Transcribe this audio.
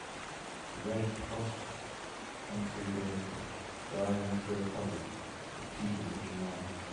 A red crosscountry vehicle driving through a puddle with people looking on.